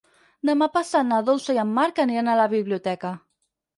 Demà passat na Dolça i en Marc aniran a la biblioteca.